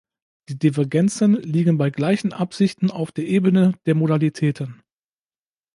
Die Divergenzen liegen bei gleichen Absichten auf der Ebene der Modalitäten.